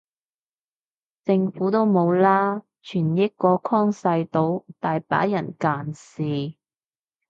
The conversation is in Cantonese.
政府都冇啦，傳譯個框細到，大把人近視